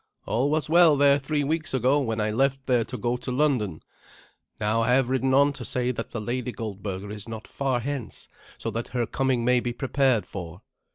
"All was well there three weeks ago when I left there to go to London. Now, I have ridden on to say that the Lady Goldberga is not far hence, so that her coming may be prepared for."